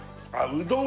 うどん